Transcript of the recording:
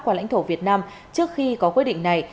qua lãnh thổ việt nam trước khi có quyết định này